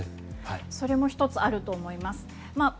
それも１つあると思います。